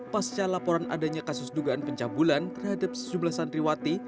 pasca laporan adanya kasus dugaan pencabulan terhadap sejumlah santriwati